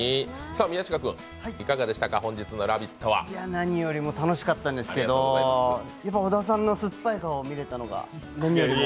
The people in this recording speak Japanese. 何よりも楽しかったんですけど小田さんの酸っぱい顔が見れたのが良かったです。